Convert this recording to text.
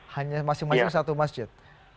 hanya masing masing satu masjid